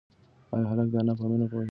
ایا هلک د انا په مینه پوهېږي؟